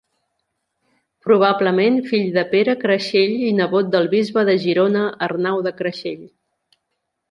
Probablement fill de Pere Creixell i nebot del bisbe de Girona Arnau de Creixell.